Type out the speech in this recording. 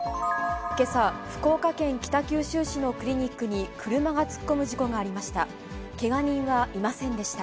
けさ、福岡県北九州市のクリニックに車が突っ込む事故がありました。